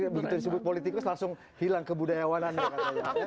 begitu disebut politikus langsung hilang kebudayawannya